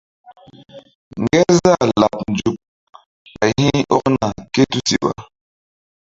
Ŋgerzah laɓ nzuk ɓay hi̧ ɔkna ké tusiɓa.